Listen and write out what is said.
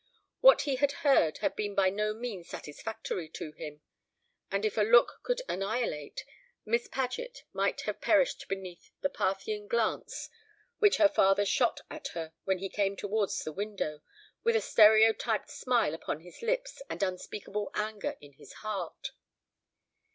What he had heard had been by no means satisfactory to him; and if a look could annihilate, Miss Paget might have perished beneath the Parthian glance which her father shot at her as he came towards the window, with a stereotyped smile upon his lips and unspeakable anger in his heart.